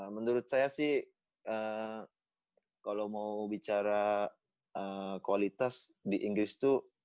menurut saya sih kalau mau bicara kualitas di inggris itu